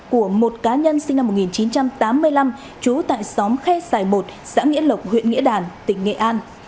của một cá nhân sinh năm một nghìn chín trăm tám mươi năm trú tại xóm khe sài một xã nghĩa lộc huyện nghĩa đàn tỉnh nghệ an